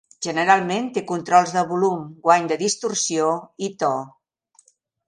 Generalment, té controls de volum, guany de distorsió i to.